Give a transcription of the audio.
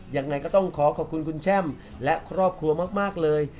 ยังไงก็ต้องขอขอบคุณคุณแช่มและครอบครัวมากเลย